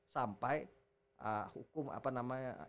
sampai hukum apa namanya